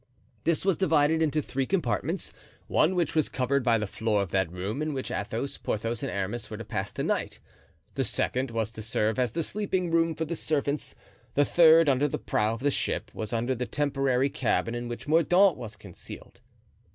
This was divided into three compartments—one which was covered by the floor of that room in which Athos, Porthos and Aramis were to pass the night; the second was to serve as the sleeping room for the servants, the third, under the prow of the ship, was under the temporary cabin in which Mordaunt was concealed.